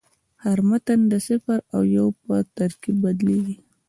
هر متن د صفر او یو په ترکیب بدلېږي.